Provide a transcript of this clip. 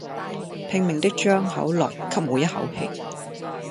拼命的張口來吸每一口氣